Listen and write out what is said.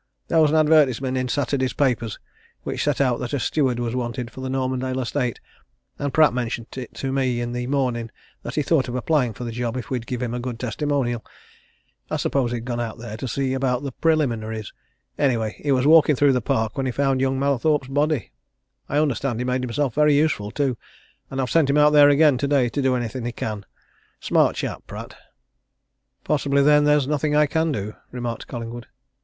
There was an advertisement in Saturday's papers which set out that a steward was wanted for the Normandale estate, and Pratt mentioned it to me in the morning that he thought of applying for the job if we'd give him a good testimonial. I suppose he'd gone out there to see about the preliminaries. Anyway, he was walking through the park when he found young Mallathorpe's body. I understand he made himself very useful, too, and I've sent him out there again today, to do anything he can smart chap, Pratt!" "Possibly, then, there is nothing I can do," remarked Collingwood.